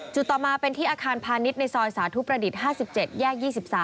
ต่อมาเป็นที่อาคารพาณิชย์ในซอยสาธุประดิษฐ์๕๗แยก๒๓